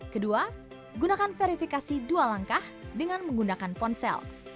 kedua gunakan verifikasi dua langkah dengan menggunakan ponsel